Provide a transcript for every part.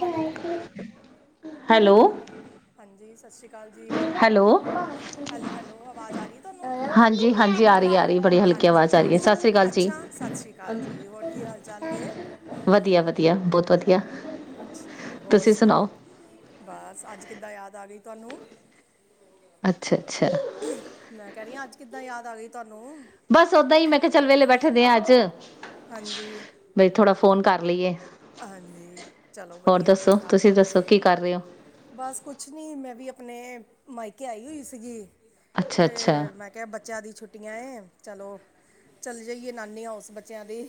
Hello hello ਹਾਂਜੀ ਸਤਿ ਸ਼੍ਰੀ ਅਕਾਲ ਜੀ ਹੈਲੋ ਹੈਲੋ ਹੈਲੋ ਆਵਾਜ਼ ਆ ਰਹੀ ਹੈ ਤੁਹਾਨੂੰ। ਹਾਂਜੀ ਹਾਂਜੀ ਆ ਰਹੀ ਆ ਰਹੀ ਬੜੀ ਹਲਕੀ ਹਾਂਜੀ ਆਵਾਜ਼ ਆ ਰਹੀ ਹੈ ਸਤਿ ਸ੍ਰੀ ਅਕਾਲ ਜੀ ਅੱਛਾ ਸਤਿ ਸ਼੍ਰੀ ਅਕਾਲ ਜੀ ਹੋਰ ਕੀ ਹਾਲ ਚਾਲ ਹੈ। ਵਧੀਆ ਵਧੀਆ ਬਹੁਤ ਵਧੀਆ। ਚਲੋ ਹੋਰ ਸੁਣਾਓ ਬਸ ਅੱਜ ਕਿੱਦਾਂ ਯਾਦ ਆ ਗਈ ਤੁਹਾਨੂੰ ਅੱਛਾ ਅੱਛਾ। ਮੈਂ ਕਹਿ ਰਹੀ ਹਾਂ ਅੱਜ ਕਿੱਦਾਂ ਯਾਦ ਆ ਗਈ ਤੁਹਾਨੂੰ। ਬਸ ਓਦਾਂ ਹੀ ਮੈਂ ਕਿਹਾ ਚੱਲ ਵੇਲੇ ਬੈਠੇ ਦੇ ਆਂ ਅੱਜ ਹਾਂਜੀ। ਬਈ ਥੋੜਾ ਫੋਨ ਕਰ ਲਈਏ। ਹਾਂਜੀ ਚਲੋ ਹੋਰ ਵਧੀਆ ਦੱਸੋ ਕੀਤਾ ਤੁਸੀਂ ਦੱਸੋ ਕੀ ਕਰ ਰਹੇ ਹੋ ਬਸ ਕੁਛ ਨੀ ਮੈਂ ਵੀ ਆਪਣੇ ਮਾਈਕੇ ਆਈ ਹੋਈ ਸੀਗੀ ਅੱਛਾ ਤੇ ਅੱਛਾ ਮੈਂ ਕਿਹਾ ਬੱਚਾ ਬੱਚਿਆਂ ਦੀ ਛੁੱਟੀਆਂ ਹੈ ਚਲੋ ਚੱਲ ਜਾਈਏ ਨਾਨੀ ਹੁੳਸ ਬੱਚਿਆਂ ਦੀ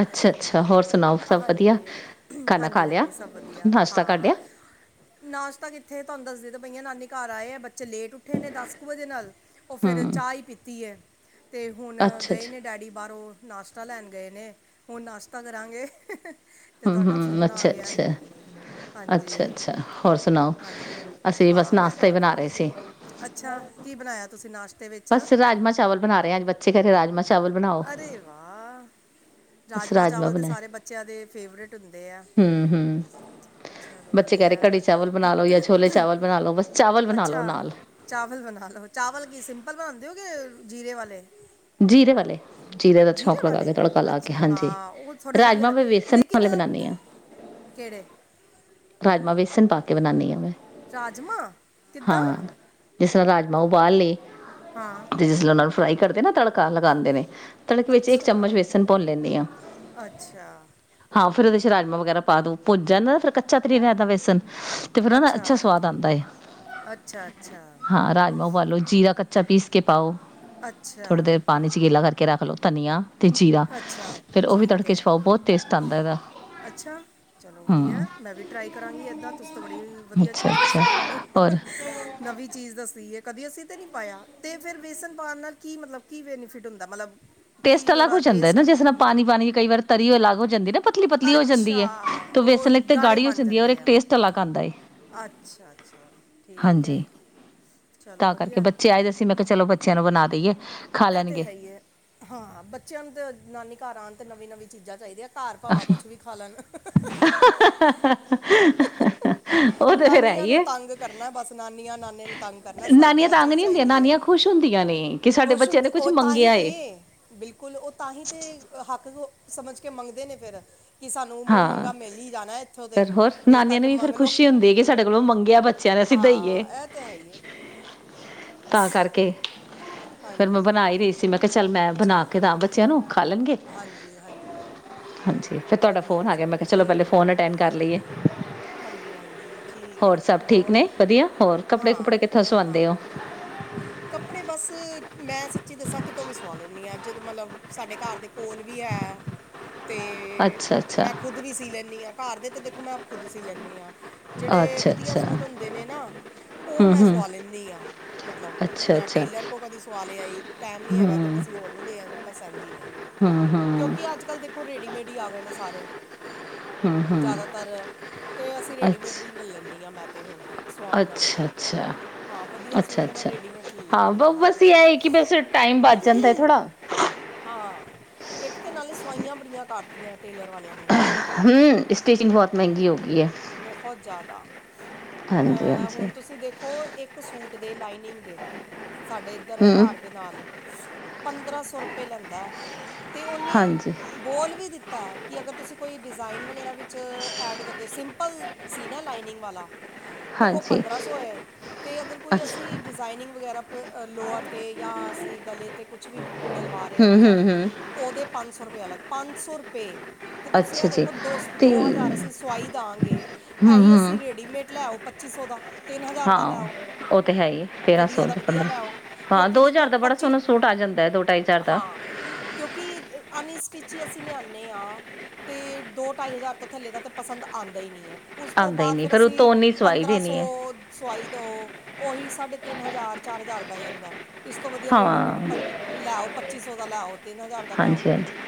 ਅੱਛਾ ਅੱਛਾ ਹੋਰ ਸੁਣਾਓ ਸਭ ਵਧੀਆ ਹਾਂਜੀ ਖਾਣਾ ਖਾ ਹਾਂਜੀ ਲਿਆ ਹਾਂਜੀ ਸਭ ਵਧੀਆ ਨਾਸ਼ਤਾ ਕਰ ਹਾਂ ਲਿਆ ਨਾਸ਼ਤਾ ਕਿੱਥੇ ਤੁਹਾਨੂੰ ਦੱਸਦੀ ਤੇ ਬਈ ਨਾਨੀ ਘਰ ਆਏ ਹੈ ਬੱਚ ਬੱਚੇ ਲੇਟ ਉੱਠੇ ਨੇ ਦਸ ਕੁ ਵਜੇ ਨਾਲ ਉਹ ਫਿਰ ਹੂੰ ਚਾਹ ਹੀ ਪੀਤੀ ਹੈ ਅਤੇ ਹੁਣ ਅੱਛਾ ਗਏ ਅੱਛਾ ਨੇ ਡੈਡੀ ਬਾਹਰੋਂ ਨਾਸ਼ਤਾ ਲੈਣ ਗਏ ਨੇ ਹੁਣ ਨਾਸ਼ਤਾ ਕਰਾਂਗੇ। [unintelligible] ਤੇ ਹੂੰ ਤੁਹਾਡਾ ਹੂੰ ਫੋਨ ਆ ਅੱਛਾ ਗਿਆ ਅੱਛਾ ਹਾਂਜੀ ਅੱਛਾ ਅੱਛਾ ਹੋਰ ਸੁਣਾਓ ਹਾਂਜੀ ਅਸੀਂ ਬਸ ਹਾਂ ਮੈਂ ਨਾਸ਼ਤਾ ਹੀ ਠੀਕ ਬਣਾ ਹਾਂ ਰਹੇ ਸੀ ਅੱਛਾ ਕੀ ਬਣਾਇਆ ਤੁਸੀਂ ਨਾਸ਼ਤਾ ਬਸ ਰਾਜਮਾ ਚਾਵਲ ਬਣਾ ਰਹੇ ਆ। ਅੱਜ ਬੱਚੇਰੇ ਰਾਜਮਾ ਅਰੇ ਵਾਹ ਬਸ ਰਾਜਮਾਂ ਚਾਵਲ ਤੇ ਬਣਾਏ ਸਾਰੇ ਬੱਚਿਆਂ ਦੇ ਫੇਰੇਟ ਹੁੰਦੇ ਆ ਹੂੰ ਹੂੰ ਚਲੋ ਬੱਚੇ ਕਹਿ ਰਹੇ ਵਧਆ ਕੜੀ ਚਾਵਲ ਬਣਾ ਲਓ ਜਾਂ ਛੋਲੇ ਚਾਵਲ ਬਣਾ ਲਓ ਬਸ ਚਾਵਲ ਬਣਾ ਲਓ ਅੱਛਾ ਨਾਲ ਚਾਵਲ ਬਣਾ ਲੋ ਚਾਵਲ ਕੀ ਸਿੰਪਲ ਬਣਾਉਂਦੇ ਹੋਗੇ ਜੀਰੇ ਵਾਲੇ। ਜੀਰੇ ਵਾਲੇ। ਜੀਰੇ ਦਾ ਸ਼ੌਂਕ ਲਗਾ ਕੇ ਵਾਲੇ ੜਕਾ ਲਾ ਕੇ ਅੱਛਾ ਹਾਂਜੀ ਹਾਂ ਉਹ ਥੋੜ੍ਹੇ ਵਧੀਆ ਰਾਜਮਾਂ ਮੈਂ ਲੱਗ ਵੇਸਨ ਲੇਕਿਨ ਵਾਲੇ ਬਣਾਦੀ ਹਾਂ ਕਿਹੜੇ ਰਾਜਮਾਂ ਵੈਸਣ ਪਾ ਕੇ ਬਣਾਾਨਦੀ ਹ ਮੈਂ। ਰਾਜਮਾਂ ਕਿੱਦਾ ਰਾਜਾਂ ਉਬਾਲ ਲਏ [unintelligible] ਫਰਾਾਈ ਕਰਦੇ ਨਾ ਤੜਕਾ ਲਗਾਉਂਦੇ ਨੇ। ਤੜਕ ਵਿੱਚ ਇੱਕ ਚਮਚ ਅੱਛਾ ਵੇਸਣ ਭੁੰਨ ਲੈਂਦੀ ਹਾਂ ਅੱਛਾ ਹ ਫਿਰਰ ਉਹਦੇ ਚ ਰਾਜਮਾਂ ਵਗੈਰਾ ਪਾ ਦੋ ਭੁੱਜ ਜਾਂਦਾ ਫਿਰ ਕੱਚਾ ਨੀ ਰਹਿੰਦਾ ਵੇਸਨ। ਤੇ ਫੇਿਰ ਹਨ ਨਾ ਅੱਛਾ ਸਵਾਦ ਆਉਂਦਾ ਅੱਛਾ ਅੱਛਾ ਹਾਂ ਰਾ ਰਜਮਾ ਉਬਾਲੋ ਜੀਰਾ ਕੱਚਾ ਪੀਸ ਕੇ ਪਾਓ। ਥੋੜੀ ਅੱਛਾ ਦੇਰ ਪਾਣੀ ਚ ਗਿੱਲਾ ਕਰਕੇ ਕੇ ਰੱਖ ਲਓ ਧਨੀੀਆਂ। ਅੱਛਾ ਠੀਕ ਹੈ ਬਹੁਤ ਟੇਸਟ ਆਉਂਦਾ ਇਹਦਾ ਚਲੋ ਵਧੀਆ ਹੂੰ ਮੈਂ ਵੀ ਟਰਾਈ ਕਰਾਂਗੀ ਏਦਾਂ ਤੁਸੀ ਤਾਂ ਬੜੀ ਵਧੀਆ ਅੱਛਾ ਚੀਜ਼ ਅੱਛਾ ਦੱਸੀ ਹੈ। ਮੈਨੂੰ ਔਰ ਨਵੀਂ ਚੀਜ਼ ਦੱਸੀ ਹੈ। ਕਦੀ ਅਸੀਂ ਤੇ ਨੀ ਪਾਇਆ ਤੇ ਫਿਰ ਵੇਸਨ ਪਾਉਣ ਨਾਲ ਕੀ ਮਤਲਬ ਕੀ ਬੈਨੀਫਿਟ ਹੁੰਦਾ ਮਤਲਬ ਟੈਸਟ ਕੀ ਅਲੱਗ ਹੋ ਉਹਦਾ ਜਾਂਦਾ ਹੈ ਨਾ ਟੇਸਟ ਜਿਸ ਨਾਲ ਪਾਣੀ, ਪਾਣੀ ਕਈ ਵਾਰ ਤਰੀ ਅਲੱਗ ਹੋ ਜਾਂਦੀ ਨਾ ਪਤਲੀ ਪਤਲੀ ਹੋ ਜਾਂਦੀ ਅੱਛਾ ਹੈ ਤੇ ਉਹ ਵੇਸਣ ਲਈ ਤੇ ਗਾੜੇ ਗਾੜੀ ਹੋ ਬਣ ਜਾਂਦੀ ਹੈ ਔਰ ਜਾਂਦੇ ਇੱਕ ਆ ਟੇਸਟ ਅਲੱਗ ਆਉਂਦਾ ਹੈ ਅੱਛਾ, ਅੱਛਾ ਠੀਕ ਹੈ। ਹਾਂਜੀ ਚਲੋ ਤਾਂ ਕਰਕੇ ਵਧੀਆ ਬੱਚੇ ਆਏ ਦ ਅ ਸੀ ਮੈਂ ਕਿਹਾ ਚਲੋ ਬੱਚਿਆਂ ਨੂੰ ਬਣਾ ਦੇਈਏ। ਖਾ ਇਹ ਤੇ ਲੈਣਗੇ ਹੈ ਹੀ ਹੈ ਹਾਂ ਬੱਚਿਆਂ ਨੂੰ ਤੇ ਨਾਨੀ ਘਰਾਂ ਨਵੀਂ ਨਵੀ ਚੀਜ਼ਾਂ ਚਾਹੀਦੀਆਂ ਹਨ। ਘਰ ਭਾਵਾਂ ਕੁਛ ਵੀ ਖਾ ਲੈਣ। [unintelligible] ਉਹ ਤੇ ਫੇਰ ਹੈ ਨਾਨੀਆਂ ਹੀ ਨੂੰ ਏ। ਤੰਗ ਕਰਨਾ ਬਸ ਨਾਨੀਆਂ ਨਾਨੀ ਨੂੰ ਤੰਗ ਕਰਨਾ ਸਾਨੂੰ ਤੇ ਨਾਨੀਆਂ ਇਹ ਤੰਗ ਚੀਜ਼ ਨੀ ਹੁੰਦੀਆਂ ਚਾਹੀਦੀ ਹੈ। ਨਾਨੀਆਂ ਖੁਸ਼ ਹੁੰਦੀਆਂ ਨੇ ਕਿ ਸਾਡੇ ਖੁਸ਼ ਬੱਚਿਆਂ ਨੇ ਹੁੰਦੀ ਕੁਛ ਉਹ ਤਾਂ ਹੀ ਮੰਗਿਆ ਤੇ ਏ। ਬਿਲਕੁਲ ਉਹ ਤਾਂ ਹੀ ਤੇ ਹੱਕ ਸਮਝ ਕੇ ਮੰਗਦੇ ਨੇ ਫਿਰ ਕਿ ਸਾਨੂੰ ਮੂੰਹ ਹਾਂ ਮੰਗਗਾ ਮਿਲ ਹੀ ਜਾਣਾ ਇੱਥੋਂ ਤੇ, ਫਿਰ ਹੋਰ ਇਸ ਨਾਨੀਆਂ ਕਰਕੇ ਨੂੰ ਵੀ ਫਿਰ ਮੰਗ ਲੋੋ। ਖੁਸ਼ੀ ਹੁੰਦੀ ਹੈ ਕਿ ਸਾਡੇ ਕੋਲੋਂ ਮੰਗਿਆ ਬਚ- ਹਾਂ ਇਹ ਤੇ ਹੈ ਹੀ ਹੈ। ਤਾਂ ਕਰਕੇ। ਫੇਰ ਮੈਂ ਹਾਂਜੀ ਬਣਾਈ ਰਹੀ ਸੀ ਮੈਂ ਕਿਹਾ ਚੱਲ ਮੈਂ ਬਣਾ ਚਲੋ ਕੇ ਦਾ ਬੱਚਿਆਂ ਨੂੰ ਖਾ ਲੈਣਗੇ ਹਾਂਜੀ ਹਾਂਜੀ ਫਿਰ ਤੁਹਾਡਾ ਫੋਨ ਆ ਗਿਆ ਸਭ ਮੈਂ ਕਿਹਾ ਚਲੋ ਪਹਿਲੇ ਠੀਕ ਹੈ ਫੋਨ ਅਟੈਂਡ ਕਰ ਲਈਏ। ਹਾਂਜੀ ਹਾਂਜੀ ਠੀਕ ਹੋਰ ਹੈ ਸਭ ਠੀਕ ਹੋਰ ਨੇ ਵਧੀਆ ਹੋਰ ਕੱਪੜੇ ਕੁਪੜੇ ਹਾਂ ਕਿੱਥੋਂ ਹਾਂ ਸਵਾਉਂਦੇ ਹੋ? ਕੱਪੜੇ ਬਸ ਮੈਂ ਸੱਚੀ ਦੱਸਾਂ ਕਿਤੋਂ ਵੀ ਸਵਾ ਲੈਂਦੀ ਐ ਜ ਮਤਲਬ ਸਾਡੇ ਘਰ ਦੇ ਕੋਲ ਵੀ ਹੈ ਅਤੇ ਅੱਛਾ ਅੱਛਾ ਮੈਂ ਖੁਦ ਵੀ ਸੀ ਲੈਂਦੀ ਆ। ਘਰ ਦੇ ਤੇ ਦੇਖੋ ਮੈਂ ਖੁਦ ਸੀ ਲੈਂਦੀ ਆ। ਜਿਹੜੇ ਅੱਛਾ ਵਧੀਆ ਅੱਛਾ ਸੂਟ ਹੁੰਦੇ ਨੇ ਨਾ ਉਹ ਹੂੰ ਮੈਂ ਹੂੰ ਸਵਾ ਲੈਂਦੀ ਆ ਮਤਲਬ ਅੱਛਾ ਜਾਂ ਅੱਛਾ ਟੇਲਰ ਕੋ ਕਦੇ ਸਵਾ ਲਿਆ ਆਈ ਟਾਈਮ ਨਹੀਂ ਹੂੰ ਹੈਗਾ ਤਾਂ ਹੂੰ ਕਿਸੇ ਹੋਰ ਨੂੰ ਦੇ ਆਏ ਬਸ ਐਨਜੀ ਐ। ਹੂੰ ਕਿਉਂਕਿ ਅੱਜ ਕੱਲ ਦੇਖੋ ਰੇਡੀਮੇਡ ਆ ਗਏ ਨੇ ਸਾਰੇ। ਹੂੰ ਹੂੰ ਜ਼ਿਆਦਾਤਰ ਤੇ ਅਸੀਂ ਰੇਡੀਮੇਡ ਹੀ ਅੱਛਾ ਲ਼ ਲੈਦੀ ਆ ਹਾਂ ਮੈ ਤੇ ਹੁਣ ਸਵਾਨ ਨਾਲੋਂ ਤੇ ਅੱਛਾ- ਅੱਛਾ- ਹਾਂ ਵਧੀਆ ਅੱਛਾ ਸੂਟ ਤਾਂ ਮੈਂ -ਅੱਛਾ ਰੈਡੀਮੇਡ ਲੈ ਹਾਂ। ਲੈਂਦੀ ਬਸ ਹਾਂਜੀ ਇਹ ਕਿ ਬਸ ਟਾਈਮ ਬਚ ਜਾਂਦਾ ਥੋੜਾ ਹਾਂ ਇੱਕ ਤੇ ਨਾਲੇ ਸਵਾਈਆਂ ਬੜੀਆਂ ਕਰਤੀਆਂ ਟੇਲਰ ਵਾਲਿਆਂ ਨੇ ਹੂੰ ਸਟੀਚਿੰਗ ਬਹੁਤ ਮਹਿੰਗੀ ਹੋ ਗਈ। ਹੈ ਬਹੁਤ ਜ਼ਿਆਦਾ। ਹਾਂਜੀ ਅਹ ਹੁਣ ਹਾਂਜੀ ਤੁਸੀਂ ਦੇਖੋ ਇੱਕ ਸੂਟ ਦੀ ਲਾਈਨਿੰਗ ਸਾਡੇ ਇੱਧਰ ਹੈ ਹਮ ਘਰ ਦੇ ਨਾਲ ਪੰਦਰਾਂ ਸੌ ਰੁਪਏ ਲੈਂਦਾ। ਤੇ ਉਹਨੇ ਹਾਂਜੀ ਬੋਲ ਵੀ ਦਿੱਤਾ ਏ। ਕਿ ਅਗਰ ਤੁਸੀਂ ਕੋਈ ਡਿਜ਼ਾਇਨ ਵਗੈਰਾ ਵੀ ਚ ਐਡ ਕਰਦੇ [unintelligible] ਸੀਨਾ ਲਾਈਨਿੰਗ ਵਾਲਾ। ਤੇ ਉਹ ਹਾਂਜੀ ਪੰਦਰਾਂ ਸੌ ਹੈ। ਤੇ ਅਗਰ ਕੋਈ ਅੱਛਾ ਅਸੀਂ ਡਿਜ਼ਾਇਨਿੰਗ ਵਗੈਰਾ ਲੋਅਰ 'ਤੇ, ਜਾਂ ਅਸੀਂ ਗਲੇ ਤੇ, ਕੁਛ ਵੀ ਡਲਵਾ ਰਹੇ ਹਾਂ ਹਮ ਡਿਜ਼ਾਇਨ ਹਮ ਹਮ ਉਹਦੇ ਪੰਜ ਸੌ ਰੁਪਏ ਅਲੱਗ। ਪੰਜ ਸੌ ਰੁਪਏ। ਤੇ ਤੁਸੀਂ ਅੱਛਾ ਆ ਜੀ ਦੇਖੋ ਅਤੇ ਦੋ ਹਜ਼ਾਰ ਅਸੀਂ ਸਵਾਈ ਦਿਆਂਗੇ। ਹਮ ਇਹੀ ਹਮ ਅਸੀਂ ਰੇਡੀਮੇਡ ਲੈਓ ਪੱਚੀ ਸੌ ਦਾ ਤਿੰਨ ਹਜ਼ਾਰ ਦਾ ਹਾਂ ਲੈਓ ਉਹ ਤਾਂ ਹੈ ਹੀ ਤੇਰ੍ਹਾਂ ਵਧੀਆ ਸੌ ਦਾ ਤੋਂ ਵਧੀਆ ਪੰਦਰਾਂ ਸੌ ਲੈਓ ਹਾਂ ਕਿਉਂਕਿ ਦੋ ਦੇਖੋ ਹਜ਼ਾਰ ਦਾ ਬੜਾ ਪੱਚੀ ਸੋਹਣਾ ਸੂਟ ਆ ਜਾਂਦਾ ਹੈ, ਦੋ ਢਾਈ ਹਜ਼ਾਰ ਦਾ ਹਾਂ ਕਿਉਂਕਿ ਅਨਸਟਿਚ ਅਸੀਂ ਲਿਆਂਨੇ ਆਂ। ਤੇ ਦੋ ਢਾਈ ਹਜ਼ਾਰ ਤੋਂ ਥੱਲੇ ਦਾ ਤੇ ਪਸੰਦ ਆਂ [unintelligible] ਉਸ ਤੋਂ ਆਉਂਦਾ ਹੀ ਬਾਅਦ ਨਹੀਂ ਫਿਰ ਅਸੀਂ ਉਤੋਂ ਉਨੀ ਸਵਾਈ ਪੰਦਰਾਂ ਸੌ ਦੇਣੀ ਹੈ ਸਵਾਈ ਦੋ ਉਹੀ ਸਾਢੇ ਤਿੰਨ ਹਜ਼ਾਰ ਚਾਰ ਹਜ਼ਾਰ ਪੈ ਜਾਂਦਾ ਇਸ ਤੋਂ ਵਧੀਆ ਹਾਂ ਰੇਡੀਮੇਡ ਲੈਓ ਪੱਚੀ [unintelligible] ਹਾਂਜੀ ਹਾਂਜੀ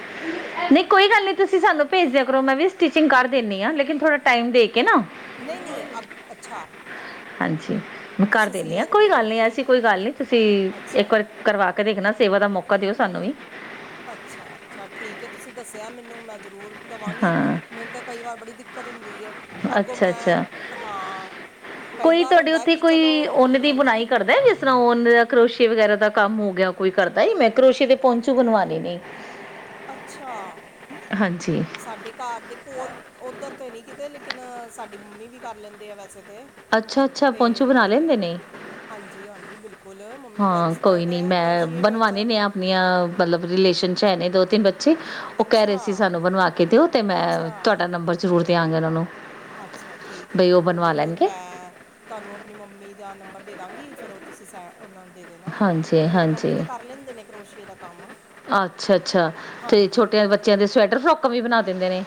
ਨਹੀਂ ਕੋਈ ਗੱਲ ਨੀ ਤੁਸੀਂ ਸਾਨੂੰ ਭੇਜਿਆ ਕਰ ਮੈਂ ਵੀਟਿਚਿੰਗ ਕਰਿੰਦੀ ਹਾਂ ਲੇਕਿਨ ਥੋੜ੍ਹਾ ਟਾਈਮ ਦੇ ਕੇ ਨਾ ਨਹੀਂ ਨਹੀਂ ਅ ਅੱਛਾ ਹਾਂਜੀ ਮੈਂ ਕਰ ਤੁਸੀਂ ਸੀ ਦੇਨੀ ਆ ਕੋਈ ਲੈਂਦੇ ਹੋ ਗੱਲ ਨੀ ਐਸੀ ਠੀਕ ਹੈ ਕੋਈ ਗੱਲ ਨਹੀਂ ਤੁਸੀਂ ਇੱਕ ਅੱਛਾ ਵਾਰ ਕਰਵਾ ਕੇ ਦੇਖਣਾ ਸੇਵਾ ਦਾ ਮੌਕਾ ਦਿਓ ਸਾਨੂੰ ਵੀ ਅੱਛਾ ਅੱਛਾ ਠੀਕ ਹੈ ਤੁਸੀਂ ਦੱਸਿਆ ਮੈਨੂੰ ਮੈਂ ਜ਼ਰੂਰ ਦੇਵਾਂਗੀ ਹਾਂ ਮੈਨੂੰ ਤਾਂ ਕਈ ਵਾਰ ਬੜੀ ਦਿੱਕਤ ਹੁੰਦੀ ਹੈ ਅੱਗੋਂ ਅੱਛਾ ਮੈਂ ਅੱਛਾ ਹਾਂ ਕਈ ਕੋਈ ਵਾਰ ਤੁਹਾਡੇ ਹੁੰਦਾ ਉੱਥੇ ਕਿ ਚਲੋ ਕੋਈ ਓਨੇ ਦੀ ਹਾਂਜੀ ਬੁਣਾਈ ਕਰਦਾ ਜਿਸ ਤਰ੍ਹਾਂ ਓਨ ਦਾ ਕਰੋਸ਼ੇ ਵਗੈਰਾ ਦਾ ਕੰਮ ਹੋ ਗਿਆ ਕੋਈ ਕਰਦਾ ਹੀ ਮੈਂ ਕਰੋਸ਼ੇ ਤੇ ਪੌਂਚੇ ਬਨਵਾਉਣੇ ਨੇ ਅੱਛਾ ਹਾਂਜੀ ਸਾਡੇ ਘਰ ਦੇ ਕੋਲ ਉੱਧਰ ਤੇ ਨੀ ਕਿਤੇ ਲ ਲੇਕਿਨ ਸਾਡੀ ਮੰਮੀ ਵੀ ਕਰ ਲੈਂਦੇ ਆ ਵੈਸੇ ਤੇ ਅੱਛਾ ਅੱਛਾ ਤੇ ਪੁੰਚੂ ਬਣਾ ਲੈਂਦੇ ਨੇ ਹਾਂਜੀ ਹਾਂਜੀ ਬਿਲਕੁਲ ਮੰਮੀ ਤਾਂ ਹਾਂ ਕੋਈ ਐਕਸਪਰਟ ਨੀ ਹੈ ਮੈਂ ਕਰੋਸ਼ੀਏ ਵਿੱਚ ਬਣਵਾਣੇ ਨੇ ਆਪਣੀਆਂ ਮਤਲਬ ਰਿਲੇਸ਼ਨ ਚੈਨੇ ਦੋ ਤਿੰਨ ਬੱਚੇ ਉਹ ਕਹਿ ਅੱਛਾ ਰਹੇ ਸੀ ਸਾਨੂੰ ਬਣਵਾ ਕੇ ਦਿਓ ਤੇ ਮੈਂ ਅੱਛਾ ਤੁਹਾਡਾ ਨੰਬਰ ਜ਼ਰੂਰ ਦੇਿਆਂਗੇ ਉਹਨਾਂ ਨੂੰ ਅੱਛਾ ਠੀਕ ਹੈ ਬਈ ਉਹ ਬਿਲਕੁਲ ਬਣਵਾ ਬਿਲਕੁਲ ਲੈਣਗੇ। ਮੈਂ ਤੁਹਾਨੂੰ ਆਪਣੀ ਮੰਮੀ ਦਾ ਨੰਬਰ ਦੇ ਦਵਾਂਗੀ ਫਿਰ ਉਹ ਤੁਸੀਂ ਸੈ ਉਹਨਾਂ ਦੇ ਦੇਣਾ ਹਾਂਜੀ ਮੇਰੀ ਹਾਂਜੀ ਮੰਮੀ ਤਾਂ ਕਰ ਲੈਂਦੇ ਨੇ ਕਰੋਸ਼ੀਏ ਦਾ ਕੰਮ ਅੱਛਾ ਅੱਛਾ ਤੇ ਹਾਂਜੀ ਛੋਟਿਆਂ ਬੱਚਿਆਂ ਦੇ ਸਵੈਟਰ ਫਰੋਕਾਂ ਵੀ ਬਣਾ ਦਿੰਦੇ ਨੇ।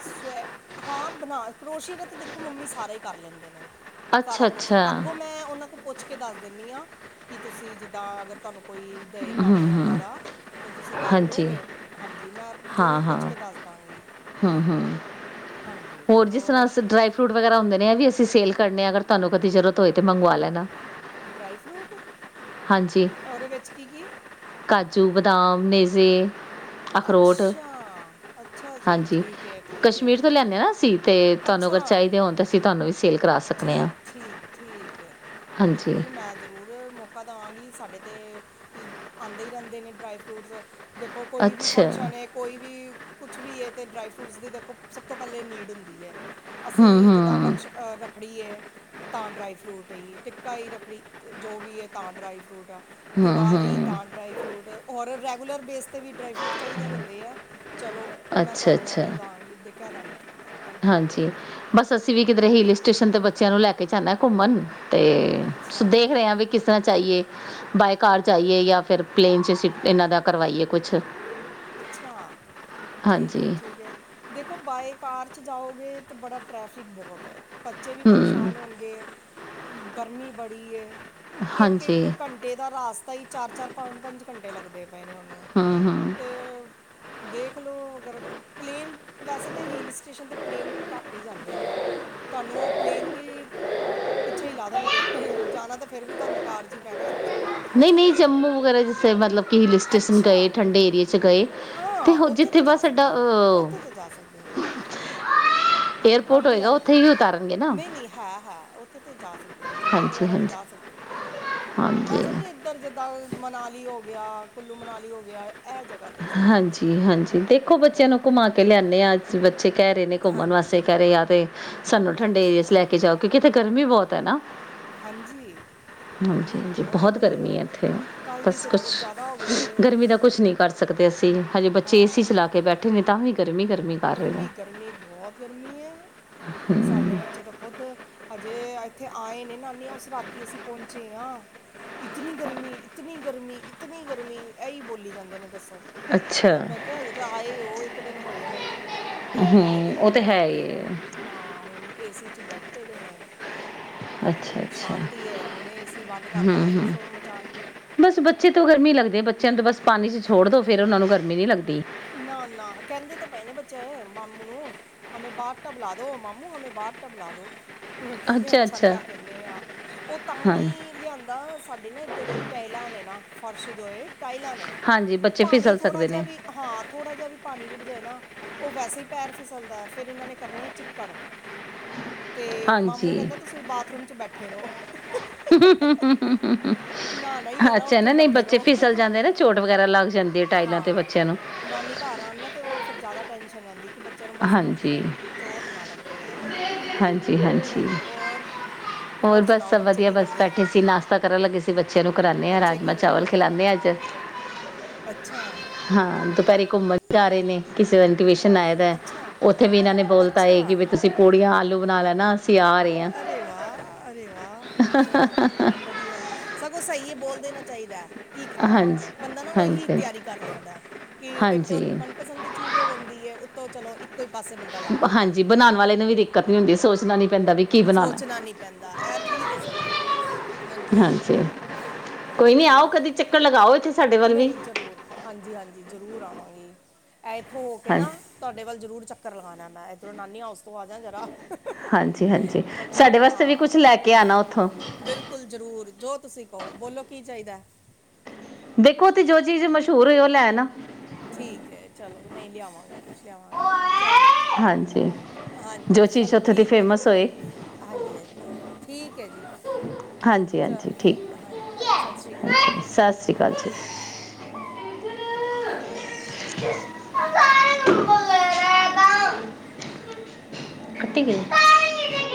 ਸਵੈ ਹਾਂ ਬਣਾ ਕਰੋਸ਼ੀ ਦਾ ਤੇ ਦੇਖੋ ਮੰਮੀ ਸਾਰਾ ਹੀ ਕਰ ਲੈਂਦੇ ਨੇ। ਸਾਰਾ ਕੁਛ ਅੱਛਾ-ਅੱਛਾ, ਅੱਗੋਂ ਮੈਂ ਉਹਨਾਂ ਕੋ ਪੁੱਛ ਕੇ ਦੱਸ ਦਿਣੀ ਹਾਂ। ਕੀ ਤੁਸੀਂ ਜਿੱਦਾਂ ਅਗਰ ਤੁਹਾਨੂੰ ਕੋਈ ਦੇਏ ਕੰਮ ਇੱਦਾਂ ਹੂੰ-ਹੂੰ, ਦਾ ਤੇ ਤੁਸੀਂ ਕਰ ਹਾਂਜੀ, ਲਓਗੇ ਹਾਂਜੀ ਮੈਂ ਜ਼ਰੂਰ ਹਾਂ-ਹਾਂ, ਪੁੱਛ ਕੇ ਦੱਸ ਦਾਂਗੀ। ਹੂੰ-ਹੂੰ। ਹੋਰ ਜਿਸ ਤਰ੍ਹਾਂ ਅ ਡਰਾਈ ਫਰੂਟ ਵਗੈਰਾ ਹੁੰਦੇ ਨੇ ਵੀ ਅਸੀਂ ਸੇਲ ਕਰਨੇ ਅਗਰ ਤੁਹਾਨੂੰ ਕਦੀ ਜ਼ਰੂਰਤ ਹੋਏ ਤੇ ਮੰਗਵਾ ਲੈਣਾ ਡਰਾਈ ਫਰੂਟ ਹਾਂਜੀ। ਉਹਦੇ ਵਿੱਚ ਕੀ ਕੀ ਕਾਜੂ ਬਦਾਮ ਮੇਜ਼ੇ ਅੱਛਾ ਅੱਛਾ ਜੀ ਹਾਂਜੀ ਠੀਕ ਐ ਠੀਕ ਐ। ਕਸ਼ਮੀਰ ਤੋਂ ਲਿਆਉਂਦੇ ਹਾਂ ਨਾ ਅਸੀਂ ਅਤੇ ਤੁਹਾਨੂੰ ਅੱਛਾ ਅਗਰ ਚਾਹੀਦੇ ਹੋਣ ਤਾਂ ਅਸੀਂ ਤੁਹਾਨੂੰ ਵੀ ਸੇਲ ਕਰਾ ਸਕਦੇ ਹਾਂ ਠੀਕ ਠੀਕ ਠੀਕ ਹੈ, ਹਾਂਜੀ ਬਿਲਕੁਲ ਮੈਂ ਜ਼ਰੂਰ ਮੌਕਾ ਦਵਾਂਗੀ, ਸਾਡੇ ਤਾਂ ਆਉਂਦੇ ਹੀ ਰਹਿੰਦੇ ਨੇ ਡਰਾਈ ਫਰੂਟਸ ਦੇਖੋ ਕੋਈ ਵੀ ਅੱਛਾ ਫੰਕਸ਼ਨ ਐ, ਕੋਈ ਵੀ ਕੁਛ ਵੀ ਇਹ ਤੇ ਡਰਾਈ ਫਰੂਟਸ ਦੀ ਦੇਖੋ, ਸਭ ਤੋਂ ਪਹਿਲੇ ਨੀਡ ਹੁੰਦੀ ਐ। ਹੂੰ ਅਸੀਂ ਜਿੱਦਾਂ ਹੂੰ ਰੱਖਸ਼ ਰੱਖੜੀ ਐ। ਤਾਂ ਡਰਾਈ ਫਰੂਟ ਰਾਈ, ਟਿੱਕਾ ਹੀ ਰੱਖੜੀ ਜੋ ਵੀ ਐ, ਤਾਂ ਡਰਾਈ ਫਰੂਟ ਆ। ਹੂੰ ਦੀਵਾਲੀ ਹੂੰ ਤਾਂ ਡਰਾਈ ਫਰੂਟ, ਔਰ ਰੈਗੁਲਰ ਫੂਲਰ ਬੇਸ ਤੇ ਵੀ ਡਰਾਈ ਫਰੂਟ ਚਾਹੀਦੇ ਹੀ ਹੁੰਦੇ ਆ, ਚਲੋ ਮੈਂ ਅੱਛਾ ਤੁਹਾਨੂੰ ਅੱਛਾ ਔਡਰ ਦਾਂਗੀ ਤੇ ਕਹਿ ਦਾਂਗੀ। [unintelligible] ਹਾਂਜੀ, ਬਸ ਅਸੀਂ ਵੀ ਕਿਧਰੇ ਹਿਲ ਸਟੇਸ਼ਨ ਤੇ ਬੱਚਿਆਂ ਨੂੰ ਲੈ ਕੇ ਜਾਣਾ ਘੁੰਮਣ। ਤੇ ਅੱਛਾ ਦੇਖ ਰਹੇ ਹਾ ਵੀ ਕਿਸ ਤਰ੍ਹਾਂ ਚਾਈਏ ਬਾਏ ਕਾਰ ਚਾਏ, ਜਾਂ ਫਿਰ ਪਲੇਨ 'ਚ ਸੀ ਇਹਨਾਂ ਦਾ ਕਰਵਾਈਏ ਕੁਛ। ਅੱਛਾ ਠੀਕ ਐ ਹਾਂਜੀ ਠੀਕ ਐ, ਦੇਖੋ ਬਾਏ ਕਾਰ ਚ ਜਾਓ ਗੇ ਤਾ ਬੜਾ ਟ੍ਰੈਫਿਕ ਬਹੁਤ ਐ। ਬੱਚੇ ਵੀ ਹੂੰ ਪਰੇਸ਼ਾਨ ਹੋਣਗੇ। ਗਰਮੀ ਬੜੀ ਐ ਇੱਕ ਇੱਕ ਹਾਂਜੀ ਘੰਟੇ ਦਾ ਰਸਤਾ ਹੀ ਚਾਰ ਚਾਰ ਪੰਜ ਘੰਟੇ ਇਹ ਲੱਗਦੇ ਪਏ ਨੇ ਹੂੰ ਹੂੰ ਤੇ ਅ ਦੇਖਲੋ ਅਗਰ ਪਲੇਨ, ਵੈਸੇ ਤਾਂ ਹਿੱਲ ਸਟੇਸ਼ਨ ਤੇ ਪਲੇਨ ਘੱਟ ਹੀ ਜਾਂਦੇ ਨੇ, ਤੁਹਾਨੂੰ ਉਹ ਪਲੇਨ ਵੀ ਪਿੱਛੇ ਹੀ ਲਾ ਦੇਣਗੇ, ਜਾਣਾ ਤਾਂ ਫੇਰ ਵੀ ਤੁਹਾਨੂੰ ਕਾਰ ਚ ਹੀ ਪੈਣਾ। ਨਹੀਂ ਨਹੀਂ, ਜੰਮੂ ਵਗੈਰਾ ਜਿੱਥੇ ਮਤਲਬ ਕਿ ਹਿੱਲ ਸਟੇਸ਼ਨ ਅੱਛਾ ਗਏ, ਠੰਡੇ ਇਲਾਕੇ'ਚ ਗਏ। ਹਾਂ ਹੋ ਉੱਥੇ ਜਿੱਥੇ ਤੇ ਜਾ ਬਸ ਸਾਡਾ ਸਕਦੇ ਹੋ, ਉੱਥੇ ਤੇ ਜਾ ਸਕਦੇ ਹੋ ਏਅਰਪੋਰਟ ਹਾਂਜੀ ਹੋਏਗਾ ਉੱਥੇ ਹਾਂਜੀ ਹੀ ਉਤਾਰਨਗੇ ਨਾ ਨਹੀਂ ਨਹੀਂ ਹੈ ਹੈ, ਉੱਥੇ ਤੇ ਜਾ ਸਕਦੇ ਹੋ ਜੰਮੂ ਹਾਂਜੀ ਵਗੈਰਾ ਤੇ ਹਾਂਜੀ ਜਾ ਸਕਦੇ ਹੋ। ਮੈਂ ਹਾਂਜੀ ਸਮਝੀ ਮਿਲੀ ਇੱਧਰ ਜਿੱਦਾਂ ਮਨਾਲੀ ਹੋ ਗਿਆ, ਕੁੱਲੂ ਮਨਾਲੀ ਹੋ ਗਿਆ, ਇਹ ਜਗ੍ਹਾ। ਤੇ ਸੋਚ ਰਹੀ ਹਾਂਜੀ ਸੀ ਹਾਂਜੀ, ਦੇਖੋ ਬੱਚਿਆਂ ਨੂੰ ਘੁਮਾ ਕੇ ਲਿਆਨੇ ਆ, ਅੱਜ ਬੱਚੇ ਕਹਿ ਰਹੇ ਨੇ ਘੁੰਮਣ ਹਾਂਜੀ ਵਾਸਤੇ ਕਹਿ ਰਹੇ ਆ ਜਾਂ ਤੇ ਸਾਨੂੰ ਠੰਡੇ ਇਲਾਕੇ ਚ ਅੱਛਾ ਲੈ ਕੇ ਜਾਓ, ਕਿਉਂਕਿ ਇੱਥੇ ਗਰਮੀ ਬਹੁਤ। ਤਾਂ ਨਾ। ਹਾਂਜੀ ਹਾਂਜੀ ਗਰਮੀ ਹਾਂ ਜੀ ਹੋ ਬਹੁਤ ਗਈ ਗਰਮੀ ਹੈ ਇੱਥੇ ਕੱਲ ਦੀ ਬਸ ਤੇ ਕੁਛ ਬਹੁਤ ਜ਼ਿਆਦਾ ਹੋ ਗਈ ਹੈ ਗਰਮੀ ਦਾ ਕੁਛ ਨ ਕਰ ਦੇ ਤੇ ਹਜੇ ਹਾਂ ਬੱਚੇ ਏ ਸੀ ਚਲਾ ਕੇ ਬੈਠੇ ਨੇ ਤਾਂ ਵੀ ਗਰਮੀ ਗਰਮੀ ਕਰ ਰਹੇ ਨੇ ਗਰਮੀ ਗਰਮੀ ਬਹੁਤ ਗਰਮੀ ਹੈ ਸਾਡੇ ਬੱਚੇ ਤਾਂ ਖੁਦ ਹਜੇ ਇਹ ਇੱਥੇ ਆਏ ਨੇ ਨਾਨੀ ਹਾਊਸ ਰਾਤੀ ਅਸੀਂ ਪਹੁੰਚੇ ਹਾਂ ਇਤਨੀ ਗਰਮੀ ਇਤਨੀ ਗਰਮੀ ਇਤਨੀ ਗਰਮੀ ਇਹੀ ਬੋਲੀ ਜਾਂਦੇ ਨੇ ਦੱਸ। ਅੱਛਾ ਮੈਂ ਕਿਹਾ ਹਜੇ ਤੇ ਆਏ ਉਹ ਇੱਕ ਦਿਨ ਹੋਇਆ। ਏ ਹੂੰ ਤੇ ਲੇਕਿਨ ਉਹ ਤੇ ਹੁਣ ਹੈ ਬੈਠੇ ਹੀ ਨੇ ਹਾਂ ਹੁਣ ਏਸੀ ਚ ਹੀ ਬੈਠੇ ਨੇ। ਖੇਡਣੇ ਅੱਛਾ ਅੱਛਾ ਬੰਦ ਹਮ ਕਰਤਾ ਤਾਂ ਫਿਰ ਹਮ ਸ਼ੋਰ ਮਚਾਣਗੇ ਬਸ ਬੱਚੇ ਤੋਂ ਗਰਮੀ ਲੱਗਦੇ। ਬੱਚਿਆਂ ਨੂੰ ਤਾਂ ਬਸ ਪਾਣੀ ' ਛੋੜ ਦਿਉ ਫਿਰ ਉਹਨਾਂ ਨੂੰ ਗਰਮੀ ਨਹੀਂ ਲੱਗਦੀ। ਨਾ ਨਾ ਕਹਿੰਦੇ ਤੇ ਪਏ ਨੇ ਬੱਚੇ ਮਾਮੂ ਨੂੰ ਹਮੇ ਬਾਥ ਟੱਬ ਲਾ ਦੋ ਮਾਮੂ ਹਮੇ ਬਾਤ ਟਬ ਲਾ ਦੋ। ਕਹਿੰਦੇ ਅੱਛਾ ਲਿਆ ਦਿੰਦੇ ਆਂ ਉਹ ਤਾਂ ਹਾਂ ਨੀ ਲਿਆਂਦਾ ਸਾਡੇ ਨਾ ਇੱਧਰ ਟਹਿਲਾਂ ਨੇ ਨਾ ਫਰਸ਼ ਧੋਏ ਟਾਈਲਾਂ ਨੇ ਹਾਂਜੀ ਉਹ ਬੱਚੇ ਪਾਣੀ ਫਿਸਲ ਥੋੜਾ ਸਕਦੇ ਜਿਹਾ ਨੇ ਵੀ। ਹਾਂ ਥੋੜਾ ਜਿਹਾ ਵੀ ਪਾਣੀ ਰੁੜ ਜਾਏ ਨਾ ਉਹ ਵੈਸੇ ਹੀ ਪੈਰ ਫਿਸਲਦਾ ਫਿਰ ਇਹਨਾਂ ਨੇ ਕਰਨੇ ਆ ਚਿੱਕੜ। ਤੇ ਹਾਂਜੀ ਮਾਮੂ ਕਹਿੰਦਾ ਤੁਸੀਂ ਬਾਥਰੂਮ ਚ ਬੈਠੇ ਰਹੋ। ਹਮ ਹ ਹਮ ਹ ਨਹਾਣਾ ਹੀ ਹੈ ਨਾ ਉੱਥੇ ਬੈਠੇ ਬੱਚੇ ਫਿਸਲ ਰਹੋ ਜਾਂਦੇ ਨਾ ਚੋਟ ਵਗੈਰਾ ਲੱਗ ਜਾਂਦੀ ਹੈ ਟਾਈਲਾਂ ਤੇ ਹਾਂ ਬੱਚਿਆਂ ਨੂੰ ਨਾਨੀ ਘਰ ਆਉਣ ਨਾਲ ਤੇ ਉਹ ਫੇਰ ਜ਼ਿਆਦਾ ਟੈਨਸ਼ਨ ਰਹਿੰਦੀ ਕਿ ਬੱਚਿਆਂ ਨੂੰ ਬਸ ਹਾਂਜੀ ਚੋਟ ਨਾ ਲੱਗੇ ਹਾਂਜੀ ਹਾਂਜੀ ਹਾਂਜੀ ਚਲੋ ਹੋਰ ਹੋਰ ਬਸ ਸੁਣਾਓ ਸਭ ਬੱਚੇ ਵਧੀਆ ਕੀ ਬੱਸ ਕਰਦੇ ਬੈਠੇ ਸੀ ਨਾਸ਼ਤਾ ਕਰਨ ਲੱਗੇ ਸੀ। ਬੱਚਿਆਂ ਨੂੰ ਕਰਾਉਣੇ ਹਾਂ ਬੱਚੇ ਕੀ ਰਾਜਮਾਂ ਚਾਵਲ ਕਰਦੇ ਖਿਲਾਦੇ ਹਾਂ ਅੱਜ ਅੱਛਾ। ਹਾਂ ਠੀਕ ਹੈ ਦੁਪਹਿਰੇ ਘੁੰਮਣ ਜਾ ਰਹੇ ਨੇ ਕਿਸੇ ਦਾ ਇਨਵੀਟੇਸ਼ਨ ਆਇਆ ਅੱਛਾ ਉੱਥੇ ਵੀ ਇਹਨਾਂ ਨੇ ਬੋਲਤਾ ਇਹ ਅੱਛਾ ਕਿ ਤੁਸੀਂ ਪੂੜੀਆਂ ਆਲੂ ਬਣਾ ਲੈਣਾ ਅਸੀਂ ਆ ਰਹੇ ਹਾ। ਅਰੇ ਵਾਹ ਅਰੇ ਵਾਹ ਚਲੋ ਵਧੀਆ ਸਗੋਂ ਸਹੀ ਹੈ ਬੋਲ ਦੇਣਾ ਚਾਹੀਦਾ ਹੈ ਕੀ ਖਾਣਾ ਹੈ ਬੰਦਾ ਨਾ ਉਹੀ ਤਿਆਰੀ ਕਰ ਲੈਂਦਾ ਕਿ ਇੱਕ ਤਾਂ ਉਹਦੀ ਹਾਂਜੀ ਮਨਪਸੰਦ ਦੀ ਚੀਜ਼ ਹੋ ਜਾਂਦੀ। ਉੱਤੋਂ ਚਲੋ ਇੱਕ ਹਾਂਜੀ ਬਣਾਉਣ ਵਾਲੇ ਨੂੰ ਵੀ ਦਿੱਕਤ ਨੀ ਹੁੰਦੀ ਸੋਚਣਾ ਨੀ ਸੋਚਣਾ ਨੀ ਪੈਂਦਾ ਇਹ ਠੀਕ ਹੈ ਸਗੋਂ ਹਾਂਜੀ ਹੋਰ ਕੋਈ ਨਹੀਂ ਆਓ ਚਲੋ ਕਦੀ ਚੱਕਰ ਲਗਾਓ ਇੱਥੇ ਸਾਡੇ ਵੱਲ ਵੀ ਨਹੀਂ ਜ਼ਰੂਰ ਹਾਂਜੀ ਹਾਂਜੀ ਜ਼ਰੂਰ ਆਵਾਂਗੀ ਇੱਥੋਂ ਹੋ ਕੇ ਨਾ ਹਾਂਜੀ ਤੁਹਾਡੇ ਵੱਲ ਜ਼ਰੂਰ ਚੱਕਰ ਲਗਾਉਣਾ ਮੈਂ ਇੱਧਰੋਂ ਨਾਨੀ ਹਾਊਸ ਤੋਂ ਆ ਜਾ ਜਰਾ। ਹਾਂਜੀ ਹਾਂਜੀ ਬੱਚਿਆਂ ਸਾਡੇ ਦੀ ਵਾਸਤੇ ਵੀ ਹਾਂ ਕੁਝ ਲੈ ਕੇ ਆਣਾ ਉੱਥੋਂ ਬਿਲਕੁਲ ਜ਼ਰੂਰ ਜੋ ਤੁਸੀਂ ਕਹੋ ਬੋਲੋ ਕੀ ਚਾਹੀਦਾ ਦੇਖੋ ਤੇ ਜੋ ਚੀਜ਼ ਮਸ਼ਹੂਰ ਹੋਈ ਉਹ ਲੈ ਆਨਾ। ਠੀਕ ਹੈ ਚਲੋ ਨਹੀਂ ਲਿਆਵਾਂਗੇ ਕੁਛ ਲਿਆਵਾਂਗੇ ਚਲੋ ਹਾਂਜੀ ਜੋ ਹਾਂਜੀ ਚੀਜ਼ ਚਲੋ ਉੱਥੇ ਦੀ ਠੀਕ ਹੈ ਫੇਮਸ ਹੋਏ ਹਾਂਜੀ ਹਾਂਜੀ ਠੀਕ। ਓ ਕੇ। ਹਾਂਜੀ ਹਾਂਜੀ ਠੀਕ। ਸਤਿ ਸ਼੍ਰੀ ਅਕਾਲ ਸਤਿ ਸ਼੍ਰੀ ਅਕਾਲ ਜੀ। [unintelligible] [unintelligible]